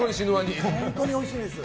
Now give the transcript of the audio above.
本当においしいです。